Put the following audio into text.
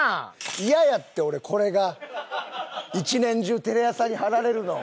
イヤやって俺これが一年中テレ朝に貼られるの。